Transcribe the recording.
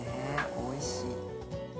おいしい。